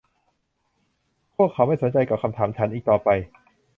พวกเขาไม่สนใจถามคำถามฉันอีกต่อไป